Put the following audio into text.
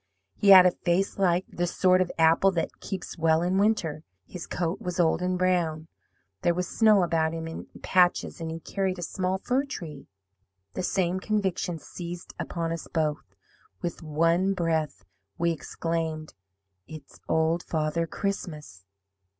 He had a face like the sort of apple that keeps well in winter; his coat was old and brown. There was snow about him in patches, and he carried a small fir tree. "The same conviction seized upon us both. With one breath, we exclaimed, 'IT'S OLD FATHER CHRISTMAS!'